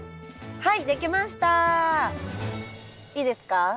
はい。